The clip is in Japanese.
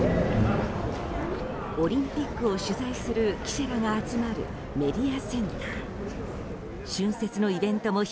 オリンピックを取材する記者らが集まるメディアセンター。